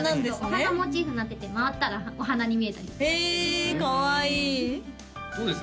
お花モチーフになってて回ったらお花に見えたりへえかわいいどうです？